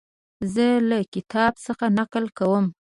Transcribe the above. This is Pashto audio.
زه له کتاب څخه نقل کوم.